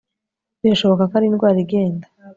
Birashoboka ko ari indwara igenda